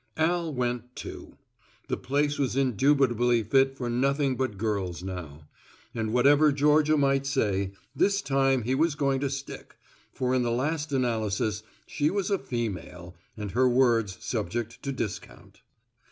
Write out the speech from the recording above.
Al went too. The place was indubitably fit for nothing but girls now. And whatever Georgia might say, this time he was going to stick, for in the last analysis she was a female and her words subject to discount.